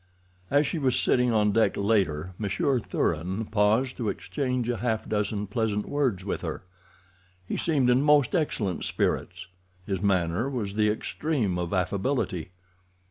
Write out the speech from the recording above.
As she was sitting on deck later Monsieur Thuran paused to exchange a half dozen pleasant words with her. He seemed in most excellent spirits—his manner was the extreme of affability.